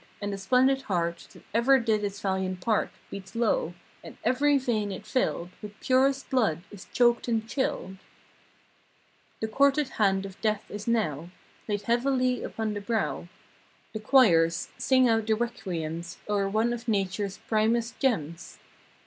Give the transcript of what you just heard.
And the splendid heart That ever did its valiant part Beats low. And every vein it filled With purest blood is choked and chilled. The courted hand of Death is now Laid heavily upon the brow. The choirs—sing out the requiems O'er one of Natures primest gems.